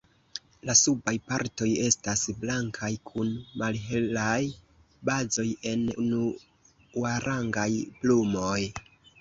La subaj partoj estas blankaj kun malhelaj bazoj en unuarangaj plumoj.